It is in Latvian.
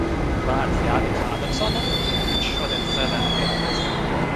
Vārds Jānim Ādamsonam, bet viņš šodienas sēdē nepiedalās.